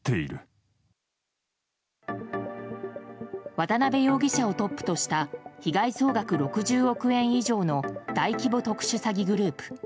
渡辺容疑者をトップとした被害総額６０億円以上の大規模特殊詐欺グループ。